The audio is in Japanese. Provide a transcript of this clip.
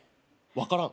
分からん。